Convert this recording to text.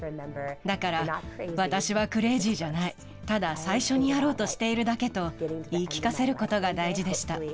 だから、私はクレイジーじゃない、ただ最初にやろうとしているだけと、言い聞かせることが大事でした。